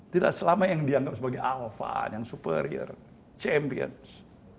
tidak selama yang dianggap sebagai alfan yang superior champions